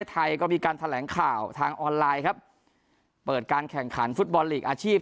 ไทยก็มีการแถลงข่าวทางออนไลน์ครับเปิดการแข่งขันฟุตบอลลีกอาชีพ